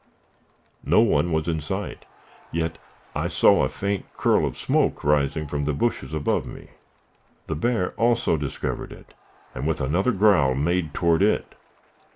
No one was in sight, yet I saw a faint curl of smoke rising from the bushes above me. The bear also discovered it, and with another growl made toward it.